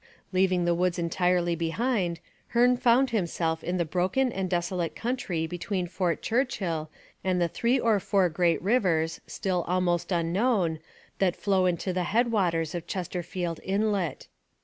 Leaving the woods entirely behind, Hearne found himself in the broken and desolate country between Fort Churchill and the three or four great rivers, still almost unknown, that flow into the head waters of Chesterfield Inlet.